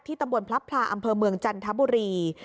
ตำบลพลับพลาอำเภอเมืองจันทบุรี